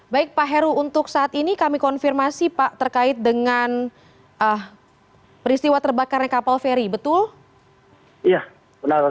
baik pak heru untuk saat ini kami konfirmasi pak terkait dengan peristiwa terbakarnya kapal feri betul